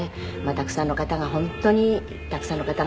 たくさんの方が本当にたくさんの方が亡くなってね